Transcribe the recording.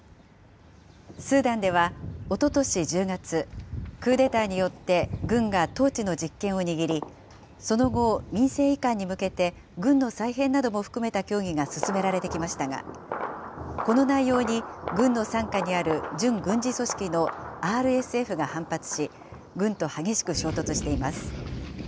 スーダンではおととし１０月、クーデターによって軍が統治の実権を握り、その後、民政移管に向けて、軍の再編なども含めた協議が進められてきましたが、この内容に軍の傘下にある準軍事組織のＲＳＦが反発し、軍と激しく衝突しています。